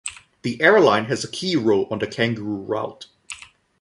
The airline has a key role on the Kangaroo Route.